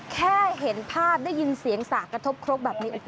แค่เห็นภาพได้ยินเสียงสากกระทบครกแบบนี้